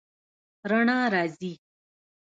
رڼا راځي